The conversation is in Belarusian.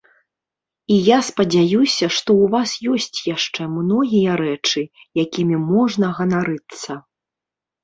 І я спадзяюся, што ў вас ёсць яшчэ многія рэчы, якімі можна ганарыцца.